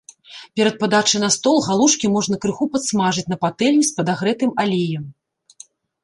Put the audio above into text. Перад падачай на стол галушкі можна крыху падсмажыць на патэльні з падагрэтым алеем.